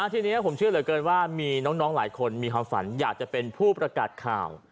ทีนี้ผมเชื่อเหลือเกินว่ามีน้องหลายคนมีความฝันอยากจะเป็นผู้ประกาศข่าว